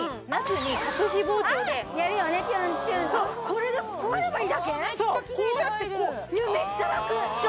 これでこうやればいいだけ⁉めっちゃ楽！